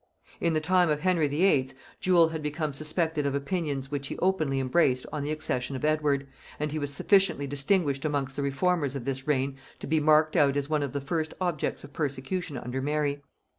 In the time of Henry VIII. Jewel had become suspected of opinions which he openly embraced on the accession of Edward, and he was sufficiently distinguished amongst the reformers of this reign to be marked out as one of the first objects of persecution under Mary.